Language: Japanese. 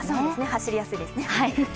走りやすいですね。